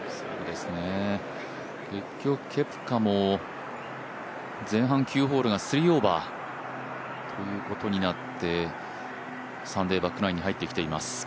結局ケプカも前半９ホールが３オーバーということになってサンデーバックナインに入ってきています。